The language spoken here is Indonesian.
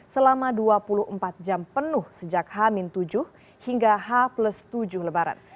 selama dua puluh empat jam penuh sejak h tujuh hingga h tujuh lebaran